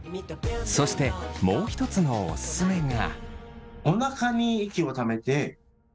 そしてもう一つのオススメが。